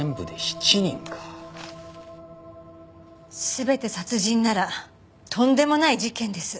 全て殺人ならとんでもない事件です。